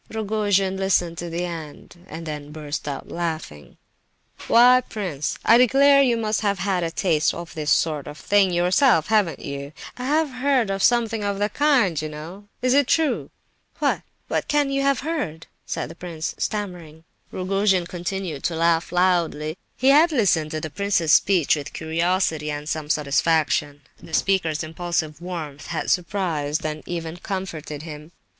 '" Rogojin listened to the end, and then burst out laughing: "Why, prince, I declare you must have had a taste of this sort of thing yourself—haven't you? I have heard tell of something of the kind, you know; is it true?" "What? What can you have heard?" said the prince, stammering. Rogojin continued to laugh loudly. He had listened to the prince's speech with curiosity and some satisfaction. The speaker's impulsive warmth had surprised and even comforted him.